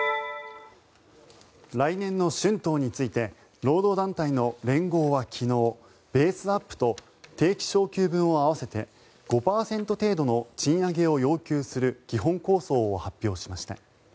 来年の春闘について労働団体の連合は昨日ベースアップと定期昇給分を合わせて５％程度の賃上げを要求する基本構想を発表しました。